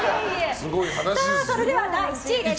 それでは第１位です。